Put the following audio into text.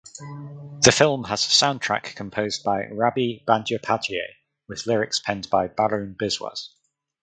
The film has soundtrack composed by Rabi Bandyopadhyay with lyrics penned by Barun Biswas.